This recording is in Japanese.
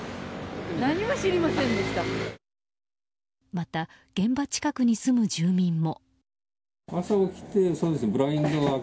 また、現場近くに住む住民も。